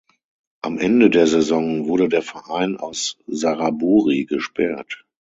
Am Ende der Saison wurde der Verein aus Saraburi gesperrt.